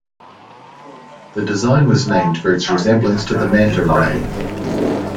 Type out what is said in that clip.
The design was named for its resemblance to the manta ray.